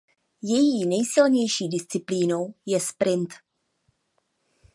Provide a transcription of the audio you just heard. Její nejsilnější disciplínou je sprint.